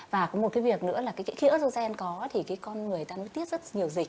và có một cái việc nữa là khi ớtrogen có thì con người ta nó tiết rất nhiều dịch